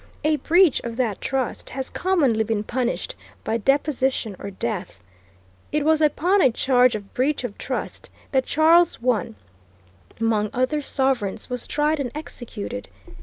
A breach of that trust has commonly been punished by deposition or death. It was upon a charge of breach of trust that Charles I, among other sovereigns, was tried and executed.